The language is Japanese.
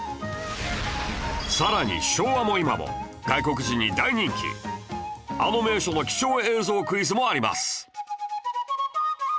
さらに昭和も今も外国人に大人気あの名所の貴重映像クイズもあります